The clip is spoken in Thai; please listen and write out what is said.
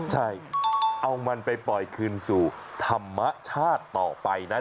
ใช่เอามันไปปล่อยคืนสู่ธรรมชาติต่อไปนะ